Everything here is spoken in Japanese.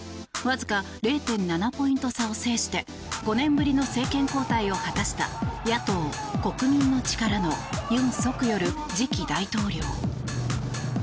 わずか０．７ポイント差を制して５年ぶりの政権交代を果たした野党・国民の力のユン・ソクヨル次期大統領。